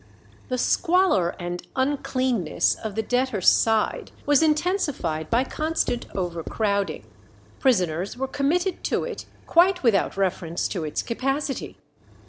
The squalor and uncleanness of the debtors' side was intensified by constant overcrowding. Prisoners were committed to it quite without reference to its capacity.